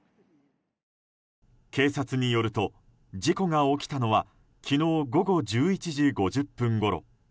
警察によると、事故が起きたのは昨日午後１１時５０分ごろ。